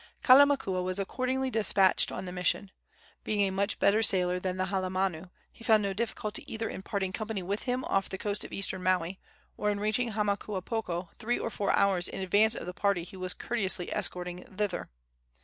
Kalamakua was accordingly despatched on the mission. Being a much better sailor than the halumanu, he found no difficulty either in parting company with him off the coast of eastern Maui or in reaching Hamakuapoko three or four hours in advance of the party he was courteously escorting thither.